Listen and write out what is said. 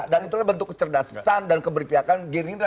dan itu bentuk kecerdasan dan keberpihakan gerindra